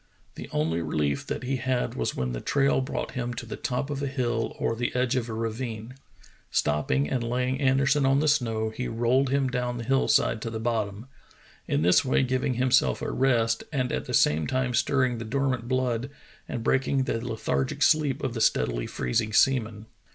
The only relief that he had was when the trail brought him to the top of a hill or the edge of a ravine. Stopping and lay ing Anderson on the snow, he rolled him down the hill side to the bottom, in this way giving himself a rest and at the same time stirring the dormant blood and break ing the lethargic sleep of the steadily freezing seaman.